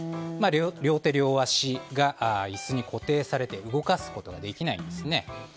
両手両足が椅子に固定されて動かすことができないんですね。